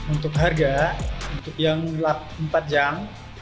untuk harga untuk yang empat jam